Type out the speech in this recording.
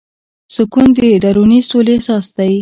سکون د دروني سولې احساس دی.